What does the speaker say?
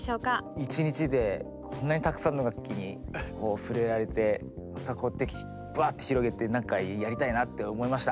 １日でこんなにたくさんの楽器に触れられてまたこうやってバッて広げてなんかやりたいなって思いました。